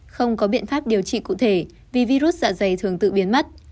không có biện pháp điều trị cụ thể vì virus dạ dày thường tự biến mất